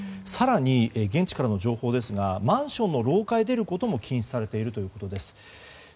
更に現地からの情報ですがマンションの廊下へ出ることも禁止されているということです。